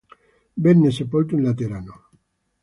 Venne sepolto in Laterano.